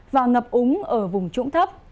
và ngập úng ở vùng trũng thấp